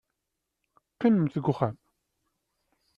Qqimemt deg uxxam.